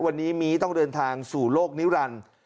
วันนี้มีต้องเดินทางสู่โลกนิรันดิ์